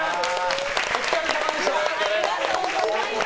お疲れ様でした！